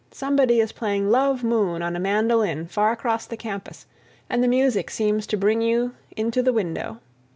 Somebody is playing "Love Moon" on a mandolin far across the campus, and the music seems to bring you into the window.